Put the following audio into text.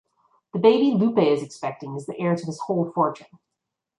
The baby Lupe is expecting is the heir to this whole fortune.